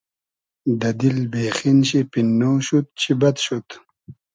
دۂ دیل بېخین شی پیننۉ شود چی بئد شود